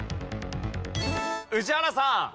宇治原さん。